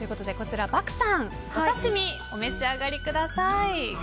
漠さん、お刺し身お召し上がりください。